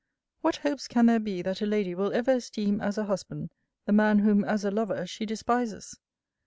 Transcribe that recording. What hopes can there be, that a lady will ever esteem, as a husband, the man, whom, as a lover, she despises?